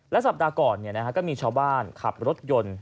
สัปดาห์ก่อนก็มีชาวบ้านขับรถยนต์